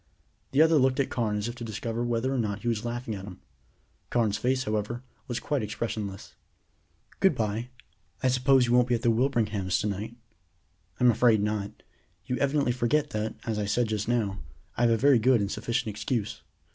The other looked at Carne as if to discover whether or not he was laughing at him. Carne's face, however, was quite expressionless. "Good bye; I suppose you won't be at the Wilbringham's to night?" "I'm afraid not. You evidently forget that, as I said just now, I have a very good and sufficient excuse."